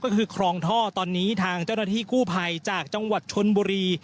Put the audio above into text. ก็คือคลองท่อตอนนี้ทางเจ้าหน้าที่กู้ภัยจากจังหวัดชนบุรี